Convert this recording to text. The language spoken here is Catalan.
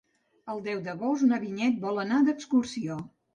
El deu d'agost na Vinyet vol anar d'excursió.